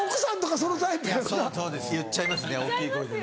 そうです言っちゃいますね大きい声でね。